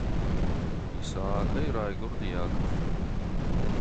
Исаакӕй райгуырд Иаков;